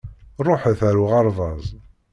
Ṛuḥet ar uɣerbaz!